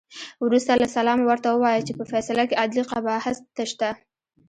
وروسته له سلامه ورته ووایه چې په فیصله کې عدلي قباحت شته.